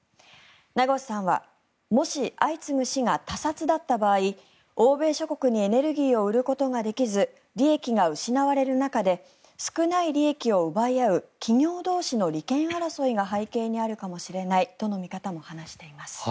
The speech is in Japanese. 名越さんはもし相次ぐ死が他殺だった場合欧米諸国にエネルギーを売ることができず利益が失われる中で少ない利益を奪い合う企業同士の利権争いが背景にあるかもしれないとの見方も話しています。